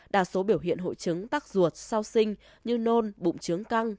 đa số biểu hiện hội chứng tắc ruột sau sinh như nôn bụng trướng căng